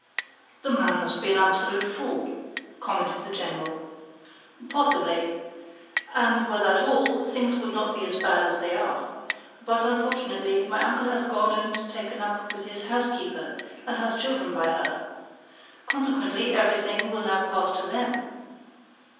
"The man must be an absolute fool," commented the General. "Possibly. And were that all, things would not be as bad as they are. But, unfortunately, my uncle has gone and taken up with his housekeeper, and has had children by her. Consequently, everything will now pass to THEM."